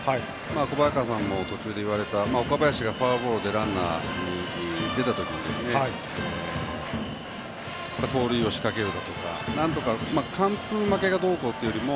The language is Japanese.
小早川さんも途中で言われた岡林がフォアボールでランナーに出た時に盗塁を仕掛けるだとか完封負けがどうこうというよりも